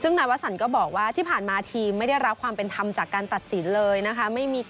ซึ่งนายวสันก็บอกว่าที่ผ่านมาทีมไม่ได้รับความเป็นธรรมจากการตัดสินเลยนะคะ